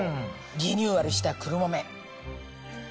リニューアルした黒豆。